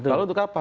lalu untuk apa